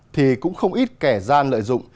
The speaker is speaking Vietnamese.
thì cũng không ít kẻ gian lợi dụng